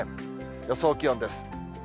予想気温です。